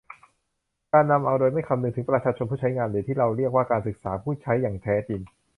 การนำเอาโดยไม่คำนึงถึงประชาชนผู้ใช้งาน หรือ ที่เราเรียกว่าการศึกษาผู้ใช้อย่างแท้จริง